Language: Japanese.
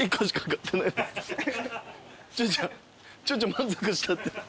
満足したって。